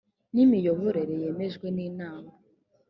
n imiyoborere yemejwe n inama